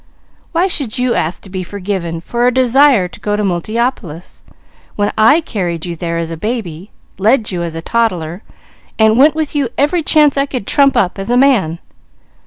Why should you ask to be forgiven for a desire to go to Multiopolis when I carried you there as a baby, led you as a toddler, and went with you every chance I could trump up as a man?